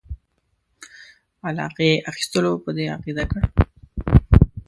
علاقې اخیستلو په دې عقیده کړ.